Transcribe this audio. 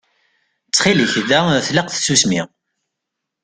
Ttxil-k da tlaq tsusmi.